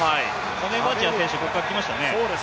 ボネバチア選手、ここから来ましたね。